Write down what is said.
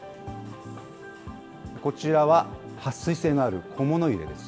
こちらは、はっ水性のある小物入れです。